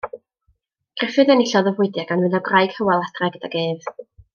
Gruffudd enillodd y frwydr gan fynd â gwraig Hywel adre gydag ef.